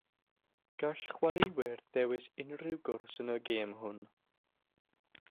Gall chwaraewyr ddewis unrhyw gwrs yn y gêm hwn.